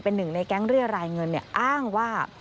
เป็นหนึ่งในแก๊งเรียรายเงินอ้างว่า